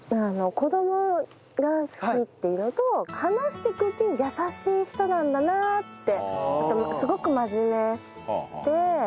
子どもが好きっていうのと話していくうちに優しい人なんだなって。